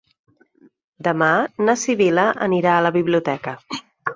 Demà na Sibil·la anirà a la biblioteca.